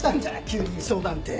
急に相談て。